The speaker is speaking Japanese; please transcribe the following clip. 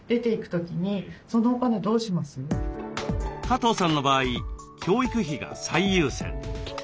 加藤さんの場合教育費が最優先。